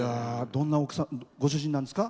どんなご主人なんですか？